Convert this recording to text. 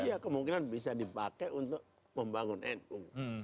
iya kemungkinan bisa dipakai untuk membangun nu